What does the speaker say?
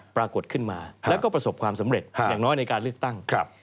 ปรากฏขึ้นมาแล้วก็ประสบความสำเร็จอย่างน้อยในการเลือกตั้ง